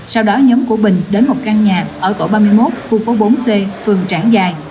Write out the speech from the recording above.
sau đó nhóm của bình đến một căn nhà ở tổ ba mươi một khu phố bốn c phường trảng giài